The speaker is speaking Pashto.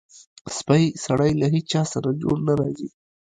سپی سړی له هېچاسره جوړ نه راځي.